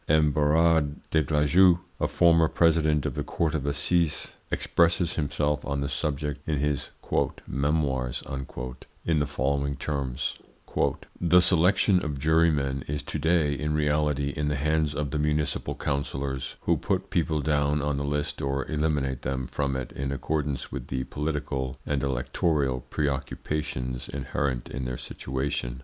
M. Berard des Glajeux, a former President of the Court of Assizes, expresses himself on the subject in his "Memoirs" in the following terms: "The selection of jurymen is to day in reality in the hands of the municipal councillors, who put people down on the list or eliminate them from it in accordance with the political and electoral preoccupations inherent in their situation.